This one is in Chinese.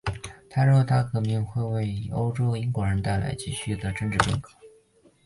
他认为大革命会为欧洲和英国带来急需的政治变革。